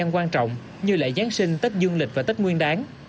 trong thời gian quan trọng như lễ giáng sinh tết dương lịch và tết nguyên đáng